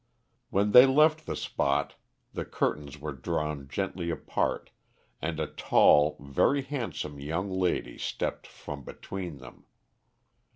When they left the spot the curtains were drawn gently apart, and a tall, very handsome young lady stepped from between them.